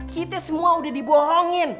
kita semua udah dibohongin